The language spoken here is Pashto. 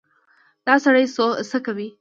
_دا سړی څه کوې؟